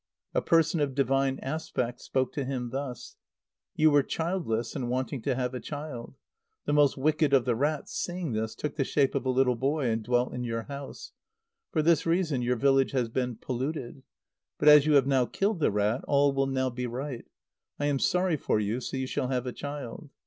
A person of divine aspect spoke to him thus; "You were childless, and wanting to have a child. The most wicked of the rats, seeing this, took the shape of a little boy, and dwelt in your house. For this reason, your village has been polluted. But as you have now killed the rat, all will now be right. I am sorry for you, so you shall have a child."